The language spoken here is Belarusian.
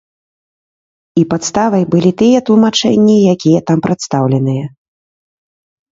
І падставай былі тыя тлумачэнні, якія там прадстаўленыя.